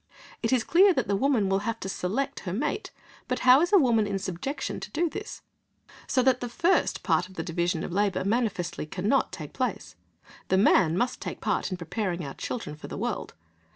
It is clear that the woman will have to select her mate, but how is a woman in subjection to do this? So that the first part of the division of labour manifestly cannot take place. The man must take part in preparing our children for the world.